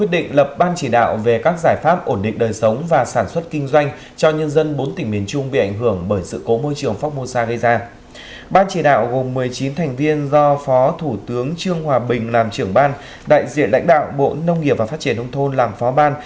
đại đạo bộ nông nghiệp và phát triển đông thôn làm phó ban